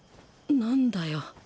何だよ。